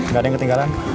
gak ada yang ketinggalan